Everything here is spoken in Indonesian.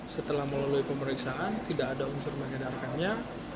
setelah melalui pemeriksaan tidak ada unsur menyadarkannya